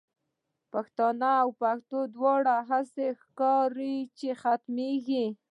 پښتانه او پښتو دواړه، هسی ښکاری چی ختمیږی